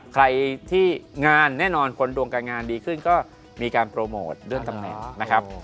ใครที่งานแน่นอนคนดวงการงานดีขึ้นก็มีการโปรโมทเรื่องตำแหน่งนะครับ